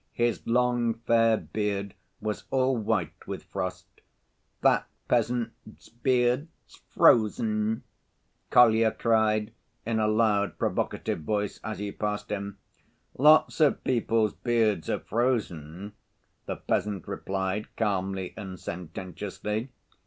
His long fair beard was all white with frost. "That peasant's beard's frozen," Kolya cried in a loud provocative voice as he passed him. "Lots of people's beards are frozen," the peasant replied, calmly and sententiously.